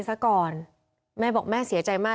พวกมันต้องกินกันพี่